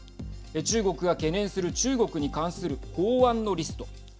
中国が懸念する中国に関する法案のリスト。